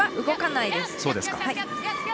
動かないです。